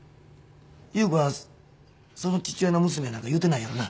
優子がその父親の娘やなんか言うてないやろな？